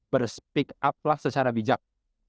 ber speak up lah secara bijak